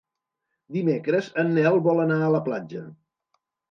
Dimecres en Nel vol anar a la platja.